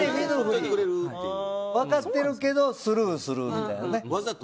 分かってるけどスルーするみたいなね。